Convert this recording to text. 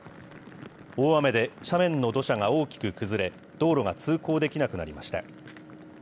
大雨で斜面の土砂が大きく崩れ、道路が通行できなくなりました。